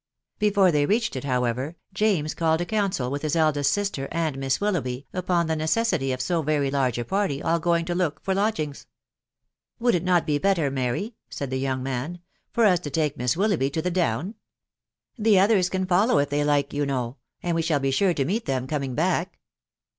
Before they reached it, however, James called a council with his eldest sister .and Miss Willoughby, upon the necessity of so very large a party aH going to kok for lodgings. '* Would it not be better, Mary/' said the young man, * fer us to take Miss WiBoughby to the down > The others ean follow rf they like it, you know, and we shall be sure to meet " them caning back.